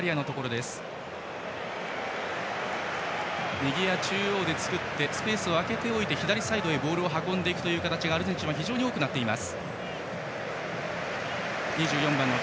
右や中央で作ってスペースを空けて左サイドへボールを運んでいく形がアルゼンチンは非常に多くなっています。